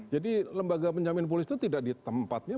jadi lembaga penjamin polis itu tidak di tempatnya